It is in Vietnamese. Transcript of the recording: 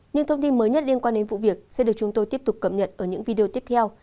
những thông tin mới nhất liên quan đến vụ việc sẽ được chúng tôi tiếp tục cập nhật ở những video tiếp theo